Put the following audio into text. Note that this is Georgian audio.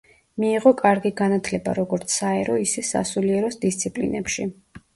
მიიღო კარგი განათლება როგორც საერო, ისე სასულიერო დისციპლინებში.